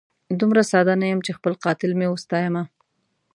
دومره ساده نه یم چي خپل قاتل مي وستایمه